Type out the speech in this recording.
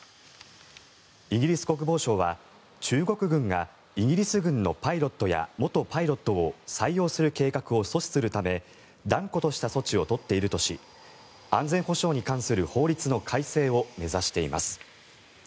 イギリス国防省は、中国軍がイギリス軍のパイロットや元パイロットを採用する計画を阻止するため断固とした措置を取っているとし安全保障に関する法律の改正を目指しています。